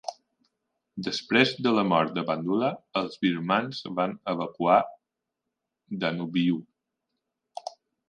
Després de la mort de Bandula, els birmans van evacuar Danubyu.